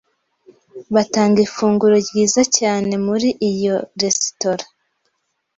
Batanga ifunguro ryiza cyane muri iyo resitora.